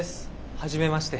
はじめまして。